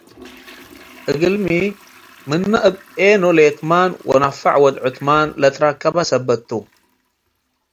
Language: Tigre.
እግል ሚ፡ ምነ እብ ኤኖ ሊትማን ወነፈዕ ወድ-ዕትማን ለትረከበ ሰበት ቱ ።